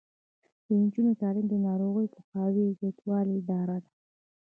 د نجونو تعلیم د ناروغیو پوهاوي زیاتولو لاره ده.